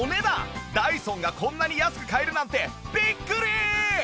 ダイソンがこんなに安く買えるなんてビックリ！